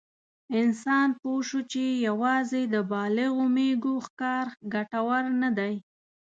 انسان پوه شو چې یواځې د بالغو مېږو ښکار ګټور نه دی.